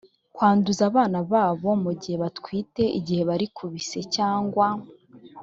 kwanduza abana babo mu gihe batwite igihe bari ku bise cyangwa